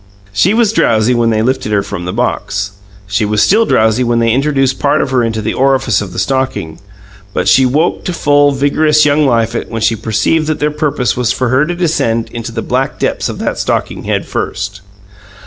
She was drowsy when they lifted her from the box; she was still drowsy when they introduced part of her into the orifice of the stocking; but she woke to full, vigorous young life when she perceived that their purpose was for her to descend into the black depths of that stocking head first.